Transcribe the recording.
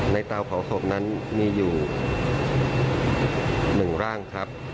เตาเผาศพนั้นมีอยู่๑ร่างครับ